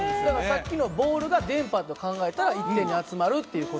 さっきのボールが電波と考えたら１点に集まるっていう事がね。